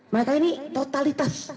mereka ini totalitas